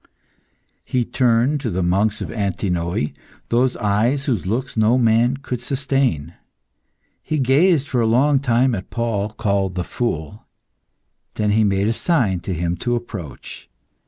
He turned to the monks of Antinoe those eyes whose looks no man could sustain. He gazed for a long time at Paul, called the Fool; then he made a sign to him to approach.